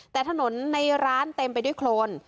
แต่ถนนในร้านเต็มไปด้วยโครน